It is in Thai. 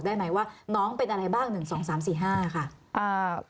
ได้ไหมว่าน้องเป็นอะไรบ้าง๑๒๓๔๕ค่ะ